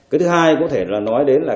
cái thứ hai có thể là nói đến là